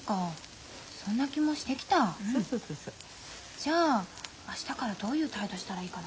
じゃあ明日からどういう態度したらいいかな？